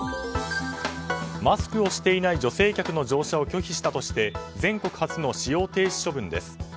マスクをしていない女性客の乗車を拒否したとして全国初の使用停止処分です。